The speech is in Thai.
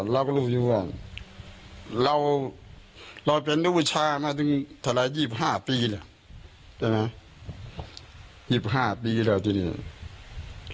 เราก็รู้อยู่ว่าเราเป็นลูกผู้ชาเป็นทาระ๒๕ปีล่ะใช่ไหม๒๕ปีก็เลยทีนี้